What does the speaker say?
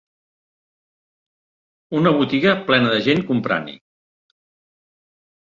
Una botiga plena de gent comprant-hi.